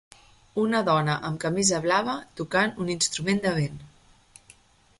Una dona amb camisa blava tocant un instrument de vent.